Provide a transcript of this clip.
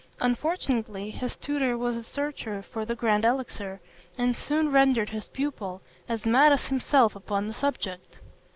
Unfortunately his tutor was a searcher for the grand elixir, and soon rendered his pupil as mad as himself upon the subject.